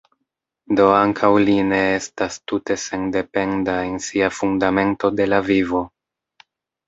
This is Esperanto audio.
Do ankaŭ li ne estas tute sendependa en sia fundamento de la vivo.